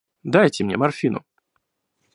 Дайте мне морфину.